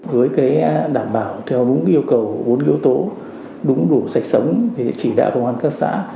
với cái đảm bảo theo đúng yêu cầu bốn yếu tố đúng đủ sạch sống thì chỉ đạo công an các xã